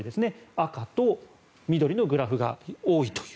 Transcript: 赤と緑のグラフが多いという。